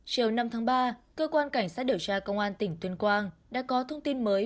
chiều năm tháng ba cơ quan cảnh sát điều tra công an tỉnh tuyên quang đã có thông tin mới